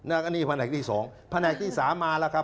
อันนี้ผนักที่๒ผนักที่๓มาแล้วครับ